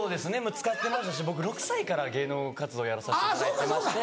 使ってましたし僕６歳から芸能活動やらさしていただいてまして。